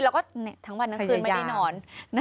แล้วเท่งวันทั้งทีไม่ได้นอน